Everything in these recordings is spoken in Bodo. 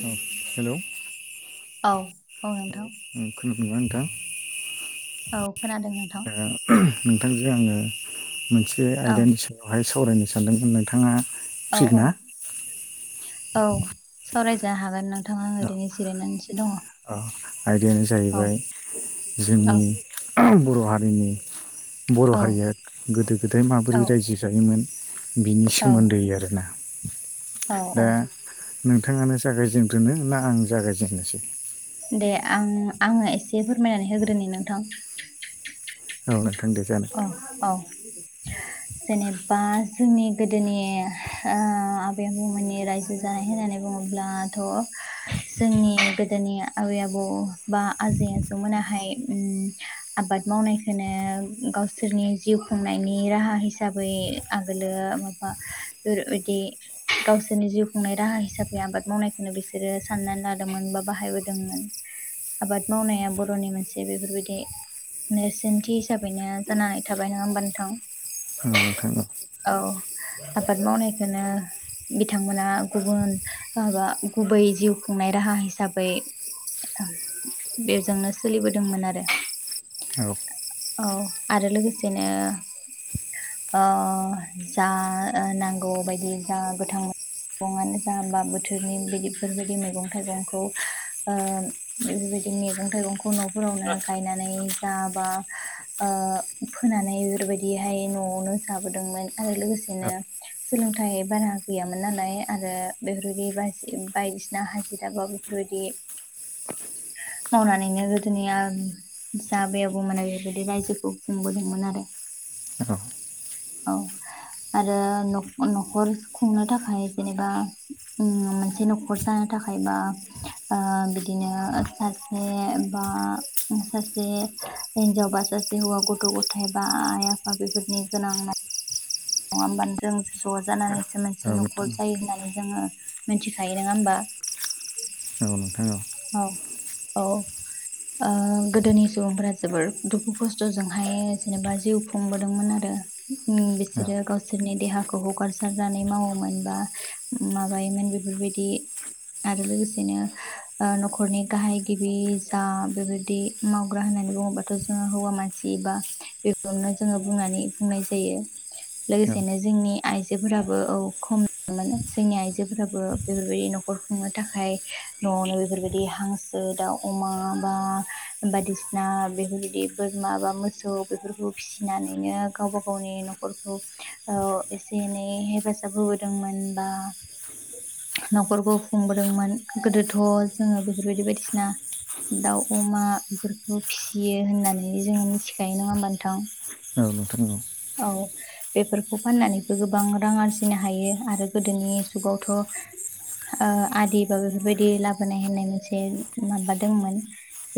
[unintelligible] हेल' औ औ नोंथां [unintelligible] औ खोनादों नोंथां नोंथांजों आङो मोनसे औ आयदानि सायावहाय सावरायनो सानदोंमोन नोंथाङा औ फ्रि औ ना औ सावरायजा हागोन नोंथां आं औ ओरैनो जिरायनानैसो दङ औ आयदायानो जाहैबाय औ जोंनि बर' हारिनि बर' हारिया गोदो गोदाय औ माबोरै रायजो जायोमोन। बिनि औ सोमोन्दै आरोना। औ दा औ। नोंथाङानो जागायजेनग्रोनो ना आं जागायजेननोसै। दे आं आङो एसे फोरमायनानै होग्रोनि नोंथां। [unintelligible] अ औ [unintelligible] जेनेबा जोंनि गोदोनि आबै आबौमोननि रायजो जानाय होननानै बुङो [unintelligible] जोंनि गोदोनि आबै आबौ बा आजै आजौमोना हाय [unintelligible] आबाद मावनायखौनो गावसोरनि जिउ खुंनायनि राहा हिसाबै आगोलो माबा [unintelligible] बे गावसोरनि जिउ खुंनाय राहा हिसाबै आबाद मावनायखौनो बिसोरो साननानै लादोंमोन बा बाहायबोदोंमोन। आबाद मावनाया बर'नि मोनसे बेफोरबायदि नेरसोनथि हिसाबै बिदिनो जानानै थाबाय नङा होमबा नोंथां। औ नोंथां औ औ आबाद मावनायखौनो बिथांमोना गुबुन माबा गुबै जिउ खुंनाय राहा हिसाबै बेजोंनो सोलिबोदोंमोन आरो औ औ आरो लोगोसेनो जा नांगौ बायदि जा गोथां आनो जाहाबा बोथोरनि बिदिफोरबायदि मैगं थाइगंखौ जुदि मैगं थाइगंखौ न'फोरावनो गायनानै जाबा फोनानै बेफोरबायदिहाय न'आवनो जाबोदोंमोन आरो औ लोगोसेनो सोलों थाइ बारा गैयामोन नालाय आरो बेफोरबायदि बायदिसिना हाजिराबा बेफोरबायदि मावनानैनो गोदोनिया जा आबै आबौमोना बेदि रायजोखौ खुंबोदोंमोन आरो। औ औ आरो न'खर खुंनो थाखाय जेनेबा मोनसे न'खर जानो थाखाय बा बिदिनो सासे बा सासे हिन्जाव बा सासे हौवा गथ' गथाय बा आइ आफा बेफोरनि गोनां नङा होमबानो जों ज' जानानैसो औ मोनसे नोंथां न'खर जायो होननानै जोङो मिथिखायो नङा होमबा नोंगौ औ औ गोदोनि सुबुंफोरा जोबोर दुखु खस्थ'जोंहाय जेनेबा जिउ खुंबोदोंमोन आरो औ बिसोरो गावसोरनि देहाखौ हगारसारनानै मावोमोन बा माबायोमोन बेफोरबायदि आरो लोगोसेनो न'खरनि गाहाय गिबि जा बेबायदि मावग्रा होननानै बुङोबाथ' जोङो हौवा मानसि बा बेखौनो जोङो बुंनानै बुंनाय जायो औ लोगोसेनो जोंनि आइजोफोराबो औ खम मोनो जोंनि आइजोफोराबो बेफोरबायदि न'खर र खुंनो थाखाय न'आवनो बेफोरबायदि हांसो दाव अमा बा बायदिसिना बेफोरबायदि बोरमा बा मोसौ बेफोरखौ फिसिनानैनो गावबागावनि नखरखौ एसे एनै हेफाजाब होबोदोंमोन बा न'खरखौ खुंबोदोंमोन गोदोथ' जोङो बेफोरबायदि बायदिसिना दाउ अमा बेफोरखौ फिसियो होननानै जोङो मिथिखायो नङा होमबा नोंथां। औ नोंथां। औ बेफोरखौ फाननानैबो गोबां रां आरजिनो हायो आरो गोदोनि जुगावथ' ओ-आदि बा बेफोरबायदि लाबोनाय होननाय मोनसे माबा दंमोन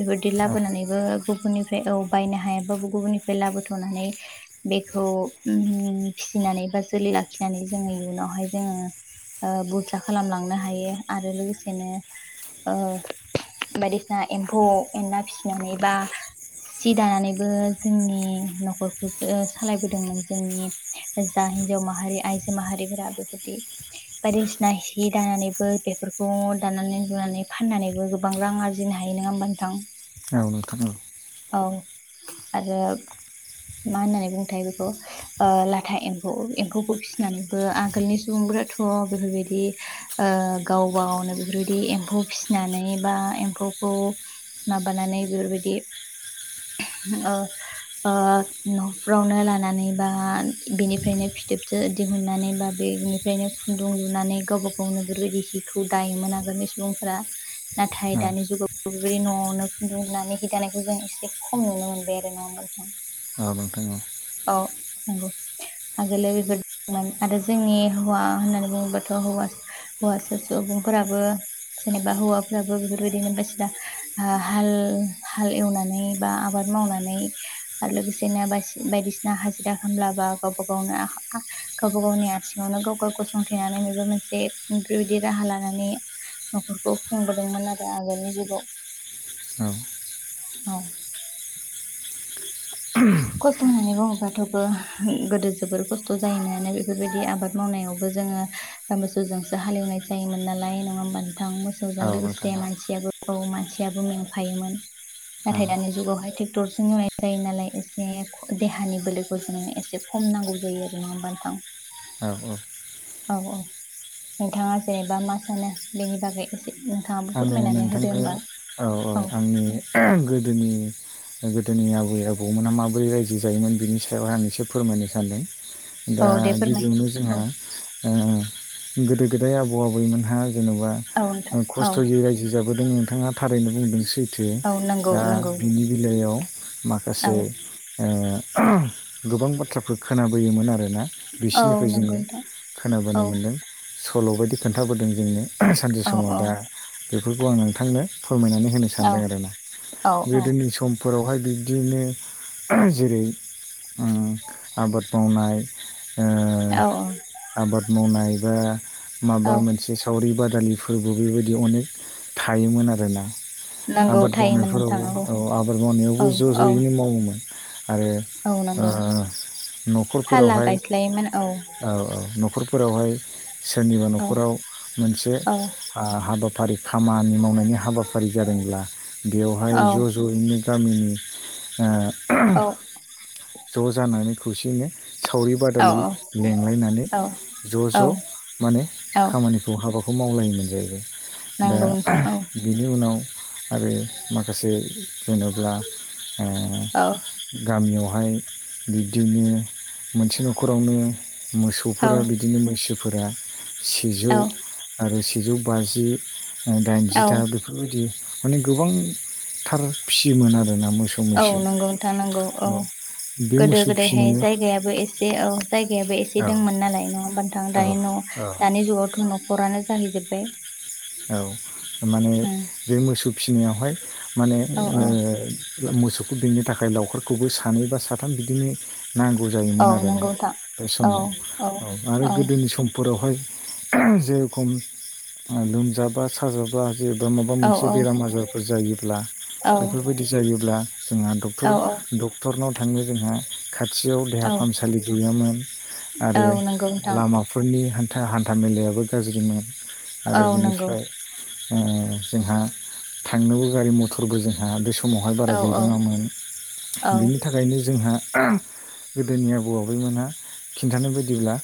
बेफोरदि औ लाबोनानैबो गुबुननिफ्राय औ बायनो हायाबाबो गुबुननिफ्राय लाबोथनानै। बेखौ उम-फिसिनानै बा जोलै लाखिनानै जोङो इयुनावहाय जोङो। ओ-बुरजा खालामलांनो हायो आरो लोगोसेनो ओ बायदिसिना एम्फौ एनला फिसिनानै बा। सि दानानैबो जोंनि नखरखौ सौ ओ-सालायबोदोंमोन जोंनि जा हिन्जाव माहारि आइजो माहारिफोरा बेबादि। बायदिसिना हि दानानैबो बेफोरखौ दानानै लुनानै फाननानैबो गोबां रां आरजिनो हायो ना नङा होमबा नोंथां। औ नोंथां औ औ आरो मा होननानै बुङोथाय बेखौ ओ-लाथा एम्फौ एम्फौखौ फिसिनानैबो आगोलनि सुबुंफोरा थु थ बेफोरबायदि ओ-गाव गावनो बेफोरबायदि एम्फौ फिसिनानै बा एम्फौ। खौ माबानानै बेफोरबायदि। [inaudible] ओ ओ नफ्रावनो लानानै बा बेनिफ्रायनो फिथोबथो दिहुननानै बा बेनिफ्रायनो खुन्दुं लुनानै गावबा गावनो बेफोरबायदि हिखौ दायोमोन आगोलनि सुबुंफोरा औ नाथाय दानि जुगाव बेबायदि नआवनो खुन्दुंलुनानै हि दानायखौ जों एसे खम नुनो मोनबाय आरो नङा होनबा नोंथां। औ नोंथां औ। औ नंगौ आगोल बेफोर दोंमोन आरो जोंनि हौवा होननानै बुङोबाथ हौवा हौवासा सुबुंफोराबो जेनेबा हौवाफोराबो बेफोरबायदिनो बायदिसिना ओ हा हाल एवनानै बा आबाद मावनानै आरो लोगोसेनो बायदिसिना बायदिसिना हाजिरा खामब्लाबा गावबा गावनो गावबा गावनि आथिङावनो गाव-गाव गसंथेनानै बेबो मोनसे बेबायदि राहा लानानै नखरखौ खुंबोदोंमोन आरो आगोलनि जुगाव। औ। औ। खस्थ होननानै बुङोबाथबो गोदो जोबोर खस्थ जायोनानो बेफोरबायदि आबाद मावनायावबो। जोङो मोसौजोंसो हालेवनाय जायोमोन नालाय नङा होनबा‌ नों नोंथां मोसौजों औ नोंथां लोगोसे औ मानसियाबो औ मानसियाबो मेंफायोमोन। औ नाथाय दानि जुगावहाय ट्रेक्टरजों एवनाय जायो नालाय एस बे देहानि बोलोखौ जोंनो एसे खम नांगौ जायो आरो नङा होशबा‌ नोंथां। औ-औ औ-औ नोंथाङा जेनेबा मा सानो बेनि बागै एसे। नोंथाङाबो आङो फोरमायनानै होदो नोंथांनो होमबा औ औ आंनि गोदोनि। गोदोनि आबै आबौमोना माबोरै रायजो जायोमोन बिनि सायाव आं एसे फोरमायनो सानदों। दा औ दे फोरमाय गिबियावनो जोंहा औ ओ-गोदो गोदाय आबौ आबैमोनहा जेनबा औ नोंथां औ खस्थयै रायजो जाबोदों नोंथाङा थारैनो बुंदों सै सैथो औ नंगौ दा नंगौ बिनि बेलायाव औ माखासे ओ गोबां बाथ्राफोर खोनाबोयोमोन आरोना औ बिसोरनिफ्राय नंगौ जोङो नोंथां खोनाबोनो औ मोनदों। सल बायदि खोन्थाबोदों जोंनो सानसे औ समाव दा औ बेफोरखौ आं नोंथांनो फोरमायनानै होनो सानदों आरो ना औ गोदोनि सम फोरावहाय बिब्दिनो ओह-जेरै उम आबाद मावनाय औ ओ-आबाद मावनाय बा औ माबा मोनसे सावरि बादालि दालिफोरबो बेबायदि अनेक थायोमोन आरोना। नांगौ आबाद थायोमोन नोंथां मावनायफोरावबो औ आबाद मावनायावबो औ ज- औ जयैनो मावोमोन। आरो औ नंगौ फाला ओ-नखरफोरावहाय गायस्लायोमोन औ औ नखर फोरावहाय सोरनिबा औ नखराव मोनसे औ ओ हाबाफारि खामानि मावनायनि हाबाफारि जादोंब्ला बेवहाय औ ज जयैनो गामिनि औ ओ ज' जानानै खौसेयैनो सावरि औ बादालि लेंलायनानै औ ज-ज औ माने औ खामानिखौ हाबा मावलायोमोन जाहैबाय दा नंगौ नोंथां औ बेनि उनाव आरो माखासे जेनेब्ला औ गामियाव बेहाय बिबदिनो मोनसे न'खरावनो औ मोसौफोरा बिदिनो मैसौ फोरा सेजौ औ आरो सेजौ बाजि औ दाइनजिथा बेफोरबायदि माने गोबांथार फिसियोमोन आरो। औ नंगौ नथा नांगौ औ बे गोदो मोसौ गोदायहाय फिसिनायाव जायगायाबो एसे औ जायग जुगायाबो एसे औ दंमोन नालाय नंङा होमबा नोंथां औ दानि न' औ दानि जुगावथ' न'खरानो जाहैजोबबाय‌ औ माने बे मोसौ फिनायावहाय माने औ ओ औ मोसौखौ बेंनो थाखाय लावखारखौबो सानै बा साथाम बिदिनो नांगौ औ जायोमोन आरोना नंगौ नोंथां बे औ समाव औ आरो गोदोनि समफोरावहाय [unintelligible] लोमजाबा साजाबा जेनेबा माबा औ मोनसे बेराम आजारफोर जायोब्ला बेफोरबायदि जायोब्ला जोंहा डक्टर औ डक्टरनाव थांङो जोंहा। खाथियाव देहा औ फाहामसालि गैयामोन औ आरो नंगौ नोंथां लामाफोरनि हान हान्था मेलायाबो गाज्रिमोन औ नंगौ अ जोंहा थांनोबो गारि मथरबो जोंहा बे समावहाय बारा औ औ गैबांङामोन औ बिनि थाखायनो जोंहा गोदोनि आबौ आबैमोनहा खिन्थानाय बायदिब्ला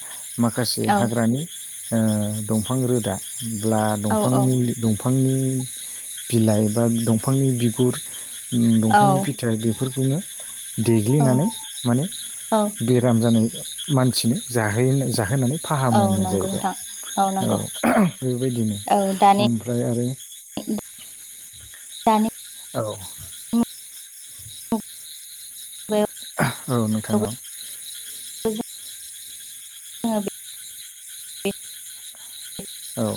माखासे औ हाग्रानि अ दंफां रोदा बब्ला औ दंफां मुलिंफ फांनि बिलाइ बा दंफांनि बिगुर औ दंफांनि फिथाइ बेफोरखौनो देग्लिनानै माने औ बेराम जानाय मानसिनो जाहोयोनो जाहोनानै औ फाहामोमोन नंगौ जाहैबाय नोंथां औ नंगौ बेबायदिनो औ दानि ओमफ्राय आरो दानि औ मुगायाव औ नोंथां औ जोङो [inaudible] औ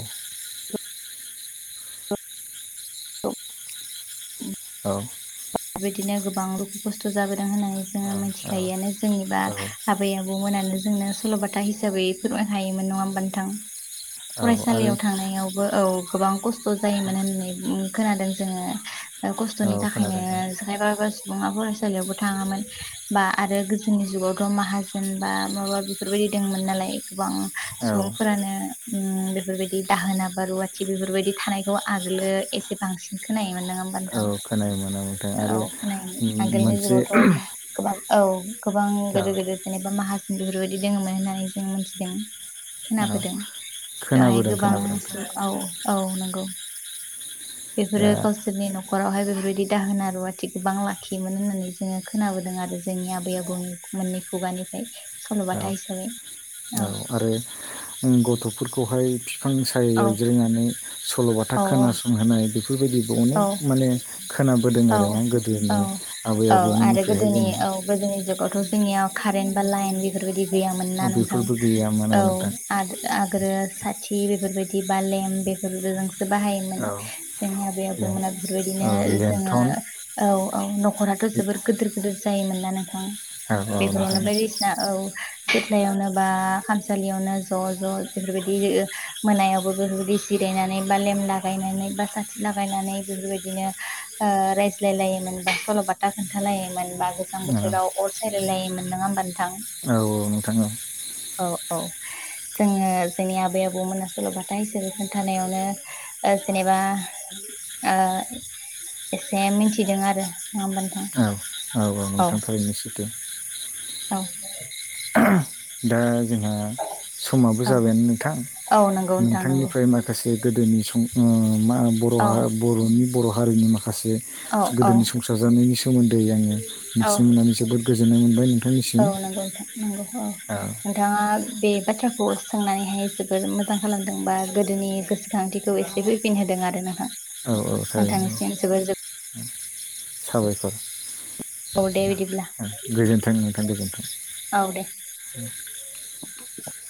बेखौ औ बिदिनो गोबां दुखु खस्थ' जाबोदों दों होननानै जो औ मिथिखायोनो जोंनिबा आबै आबौ मोनानो जोंनो सल'बाथ खोथा हसै फोरमायनो हायोमोन नंङा होमबा नोंथां औ आरो फरायसालियाव थांनायावबो औ गोबां खस्थ' जायोमोन होननानै खोनादों जोंङो औ खस्थ'नि थाखायनो खोनादों जेखाइ ब्रा सुबुङा फरायसालियावबो थाङांमोन बा आरो गोज जोननि जुगावथ' माहाजोन बा माबा बेफोरबायदि दंमोन नालाय गोबां औ सुबुंफोरानो ओम बेफोरबायदि दाहोना बा रुवाथि बेफोरबायदि थानायखौ आगोलो एसे बांसिन खोनायो औ खोनायोमोन औ औ खोनायोमोन आगोलनि जुगावथ' गोबां औ गोबां औ गोदोर गोदोर जेनेबा मा मासिं बेफोरबायदि दंङोमोन होननानै जों मोनथिदों औ खोनाबोदों बेवहाय खोनाबोदों गोबां खोनाबोदों औ औ नंगौ बेफोरो दा गावसोरनि नखरावहाय बेफोरबायदि दाहोना रुवाथि गोबां लाखियोमोन होननानै जोंङो खोनाबोदों आरो जोंनि आबै आबौनि मोननि खुगानिफ्राय औ सल'बाथा हिसाबै औ आरो ओम गथफोरखौहाय बिफां औ सायायाव जिरायनानै सलबाथा औ खोनासंहोनाय बे बेफोरबायदिबो औ अनेक माने खोनाबोदों औ आरोना औ गोदोनि आबै औ आरो आबौमोननिफ्रायहाय गोदोनि जोंङो औ गोदोनि जुगावथ' जोंनियाव कारेन्ट बा लाइन बेफोरबायदि गैयामोन ना नोंथां बेफोरबो गैयामोन औ नोंथां आरो आग्रो साथि बेफोरबायदि बा लेेम बेफोरजोंसो बाहायोमोन जोंनि आ बेयाव औ बुङोना औ बेफोरबायदिनो जोङो लेन्थन औ औ न'खराथ' जोबोर गोदोर गोदोर जायोमोन ना नोंथां औ औ बेफोरावनो नोंथां बायदिसिना औ सिथ्लायावनो बा खामसालियावनो ज' ज' बेफोरबायदि मोनायावबो बेफोरबायदि जिराय जिरायनानै बा लेम लागायनानै बा साथि लागायनानै यनानै बेफोरबादिनो आ रायज्लायलायोमोन बा सलबाथा खोनथालायोमोन बा गोजां औ बोथोराव अर सायलायलायोम मोन नोङा होमब औ औ नोंथां औ औ औ जोङो जोंनि आबै आबौमोना सल'बाथा हिसाबै खोन्थानायावनो अ जेनेबा अ एसे मिनथिदों आरो होमबा नोंथां औ औ औ नोंथां थारैनो सैथो औ दा जोंहा समाबो औ जाबायानो नोंथां औ नंगौ नोंथां नंगौ नोंथांनिफ्राय माखासे गोदोनि उम मा बर' औ हा बर' हारिनि माखासे औ माखासे औ गोदोनि संसार जानायनि सोमोन्दै आङो औ मिथिनो मोननानै जोबोद गोजोननाय मोनबाय औ नोंथांनिसिम नंगौ नोंथां नंगौ औ नोंथाङा बे बाथ्राखौ सोंनानैहाय जोबोर मोजां खालामदों बा गोदोनि गोसोखांथिखौ एसे फैफिनहोदों आरो नोंथां। औ औ थारैनो नोंथांनिसिम जोबोर जोबोर साबायखर जोब औ दे बिदिब्ला ओ गोजोनथों नोंथां गोजोनथों औ दे [unintelligible]